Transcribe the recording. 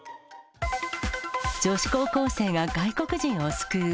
女子高校生が外国人を救う。